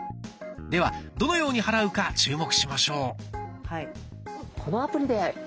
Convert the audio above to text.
ではどのように払うか注目しましょう。